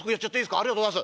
ありがとうございます。